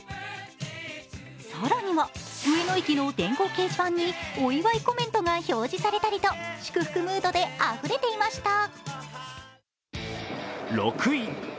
更には上野駅の電光掲示板にお祝いコメントが表示されたりと祝福ムードであふれていました。